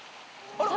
あれ？